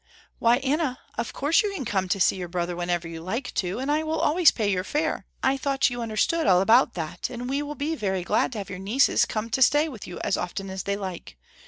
"Why Anna of course you can come to see your brother whenever you like to, and I will always pay your fare. I thought you understood all about that, and we will be very glad to have your nieces come to stay with you as often as they like.